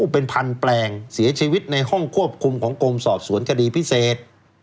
เป็นพันแปลงเสียชีวิตในห้องควบคุมของกรมสอบสวนคดีพิเศษ